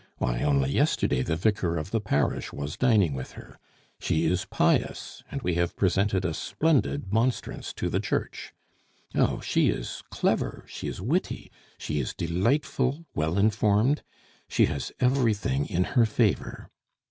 Why, only yesterday the vicar of the parish was dining with her. She is pious, and we have presented a splendid monstrance to the church. "Oh! she is clever, she is witty, she is delightful, well informed she has everything in her favor.